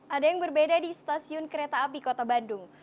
ada yang berbeda di stasiun kereta api kota bandung